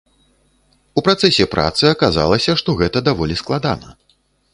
У працэсе працы аказалася, што гэта даволі складана.